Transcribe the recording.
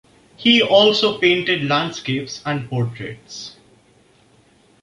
He also painted landscapes and portraits.